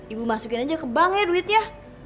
ibu masukin aja ke bank ya duitnya